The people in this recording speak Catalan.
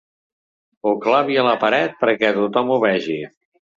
Ho clavi a la paret perquè tothom ho vegi.